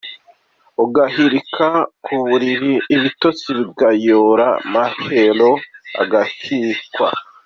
Ugahirika ku buriri ibitotsi bikayora mahero agahwikwa.